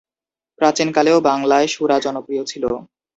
প্রাচীনকালেও বাংলায় সুরা জনপ্রিয় ছিল।